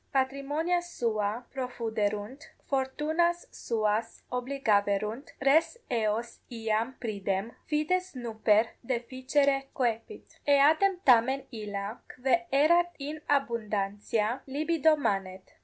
Patrimonia sua profuderunt, fortunas suas obligaverunt, res eos iam pridem, fides nuper deficere coepit: eadem tamen illa, quae erat in abundantia, libido manet.